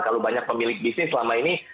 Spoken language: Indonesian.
kalau banyak pemilik bisnis selama ini